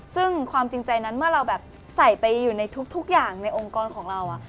ซึ่งความจริงใจนั้นเมื่อเราแบบใส่ไปอยู่ในทุกอย่างในองค์กรของเรา